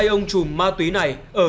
hai ông chùm ma túy này ở